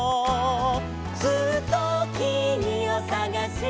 「ずっときみをさがしてた」